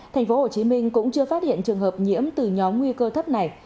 tp hcm cũng chưa phát hiện trường hợp nhiễm từ nhóm nguy cơ thấp này